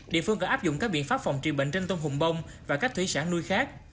địa phương có áp dụng các biện pháp phòng trị bệnh trên tôm hùm bông và các thủy sản nuôi khác